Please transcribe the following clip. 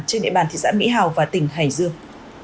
trên địa bàn thị xã mỹ hào và tỉnh hải dương